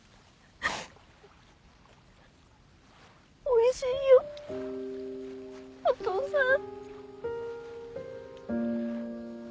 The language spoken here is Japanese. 美味しいよお父さん。